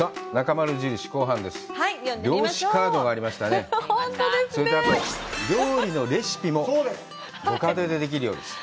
それから、あと、料理のレシピもご家庭でできるようです。